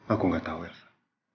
aku gak tahu elsa